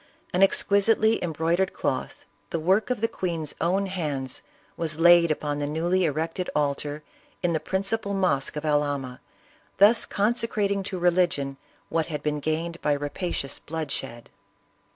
An ex quisitely embroidered cloth, the work of the queen's own hands, was laid upon the newly erected altar in the principal mosque of Albania, thus consecrating to religion what had been gained by rapacious bloodshed.